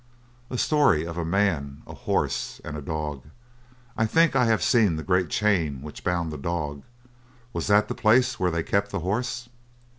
"A story of a man, a horse, and a dog. I think I have seen the great chain which bound the dog. Was that the place where they kept the horse?